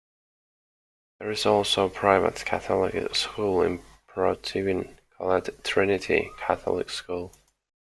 There is also a private Catholic school in Protivin called Trinity Catholic School.